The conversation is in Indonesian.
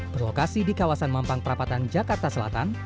berlokasi di kawasan mampang perapatan jakarta selatan